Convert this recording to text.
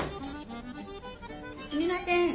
すみません。